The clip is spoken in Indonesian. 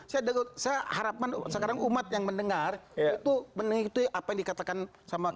saya harapan sekarang umat yang mendengar itu mending itu apa yang dikatakan sama pak mak